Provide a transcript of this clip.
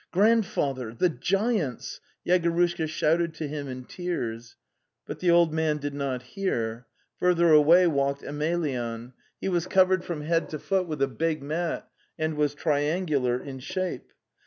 '' Grandfather, the giants!" Yegorushka shouted to him in tears. But the old man did not hear. Further away walked Emelyan. He was covered from head to foot with a big mat and was triangular in shape.